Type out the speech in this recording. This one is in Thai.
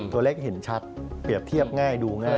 ตัวเลขเห็นชัดเปรียบเทียบง่ายดูง่าย